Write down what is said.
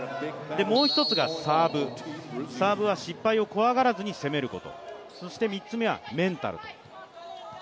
もう一つがサーブ、サーブは失敗を怖がらずに攻めること、そして３つ目はメンタル。